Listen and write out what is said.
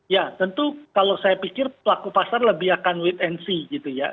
ya tentu kalau saya pikir pelaku pasar lebih akan wait and see gitu ya